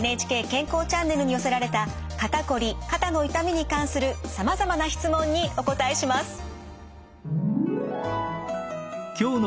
ＮＨＫ健康チャンネルに寄せられた肩こり肩の痛みに関するさまざまな質問にお答えします。